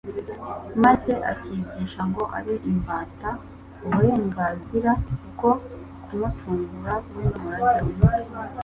maze akigisha ngo abe imbata, uburengarizira bwo kumucungura we n'umurage we